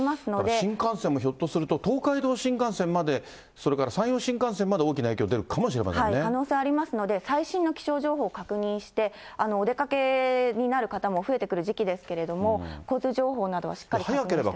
新幹線もひょっとすると、東海道新幹線までそれから山陽新幹線まで大きな影響が出るかもし可能性ありますので、最新の気象情報を確認して、お出かけになる方も増えてくる時期ですけれども、交通情報などはしっかりと確認してください。